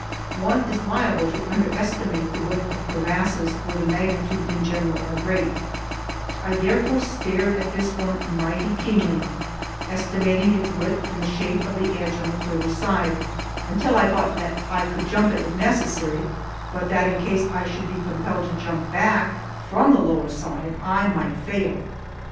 One is liable to underestimate the width of crevasses where the magnitudes in general are great, I therefore stared at this one mighty keenly, estimating its width and the shape of the edge on the farther side, until I thought that I could jump it if necessary, but that in case I should be compelled to jump back from the lower side I might fail.